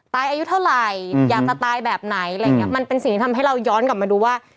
อายุเท่าไหร่อยากจะตายแบบไหนอะไรอย่างเงี้มันเป็นสิ่งที่ทำให้เราย้อนกลับมาดูว่า